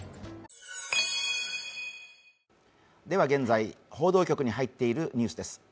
現在報道局に入っているニュースです。